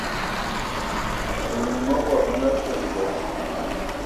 Mənyu mə bod mə nga kpe ndzom.